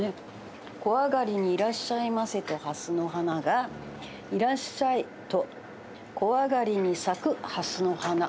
「小あがりにいらっしゃいませとハスの花」が「いらっしゃいと小あがりに咲くハスの花」。